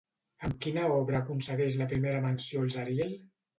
Amb quina obra aconsegueix la primera menció als Ariel?